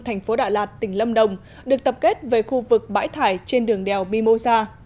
thành phố đà lạt tỉnh lâm đồng được tập kết về khu vực bãi thải trên đường đèo mimosa